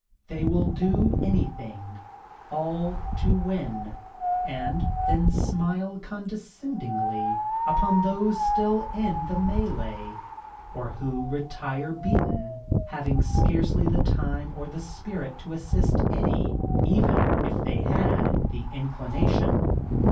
They will do anything, all to win, and then smile condescendingly upon those still in the melee, or who retire beaten, having scarcely the time or the spirit to assist any, even if they had the inclination.